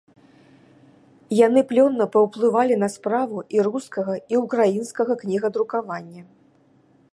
Яны плённа паўплывалі на справу і рускага, і ўкраінскага кнігадрукавання.